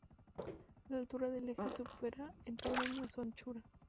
La altura del eje supera en tamaño a su anchura.